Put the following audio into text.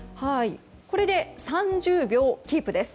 これで３０秒キープです。